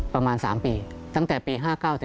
ประมาณ๓ปีตั้งแต่ปี๑๙๕๙๑๙๖๒